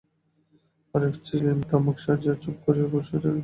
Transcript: আর এক ছিলিম তামাক সাজিয়া চুপ করিয়া বসিয়া টানিতে লাগিল।